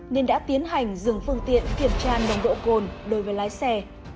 nên đã tiến hành dừng phương tiện kiểm tra nồng độ cồn đối với lái xe